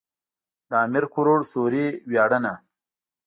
د امير کروړ سوري وياړنه.